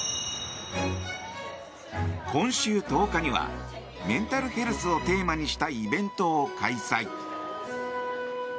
今週１０日にはメンタルヘルスをテーマにしたイベントを開催。